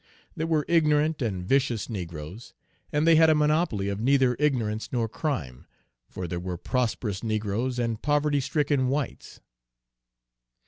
There were ignorant and vicious negroes, and they had a monopoly of neither ignorance nor crime, for there were prosperous negroes and poverty stricken whites.